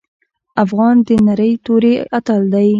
افغان د نرۍ توري اتل دی.